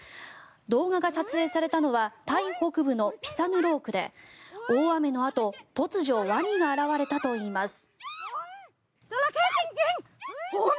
動画が撮影されたのはタイ北部のピサヌロークで大雨のあと突如ワニが現れたといいます。